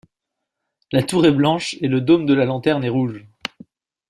La tour est blanche et le dôme de la lanterne est rouge.